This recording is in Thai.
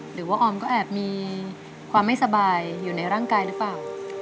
หรือว่าออมก็แอบมีความไม่สบายอยู่ในร่างกายหรือเปล่า